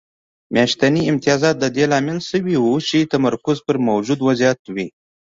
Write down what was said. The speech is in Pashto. میاشتني امتیازات د دې لامل شوي وو چې تمرکز پر موجود وضعیت وي